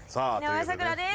井上咲楽です。